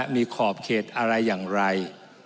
มีขอบเขตอะไรอย่างไร